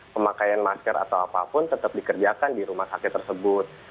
pemakaian masker atau apapun tetap dikerjakan di rumah sakit tersebut